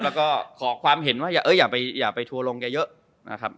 แล้วก็ขอความเห็นว่าอย่าเอ่ยอย่าไปอย่าไปทัวร์ลงแกเยอะนะครับ